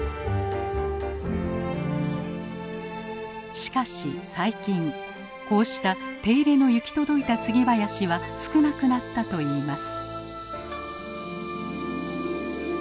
しかし最近こうした手入れの行き届いた杉林は少なくなったといいます。